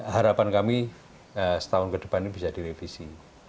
harapan kami setahun ke depan ini bisa direvisi